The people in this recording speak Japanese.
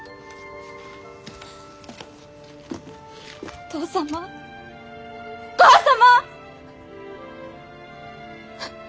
お父様お母様！